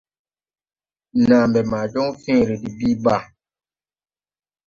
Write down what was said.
Nàa mbɛ ma jɔŋ fẽẽre de bìi bàa.